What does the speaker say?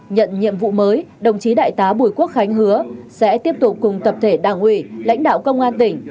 nhận nhiệm vụ mới đồng chí đại tá bùi quốc khánh hứa sẽ tiếp tục cùng tập thể đảng ủy lãnh đạo công an tỉnh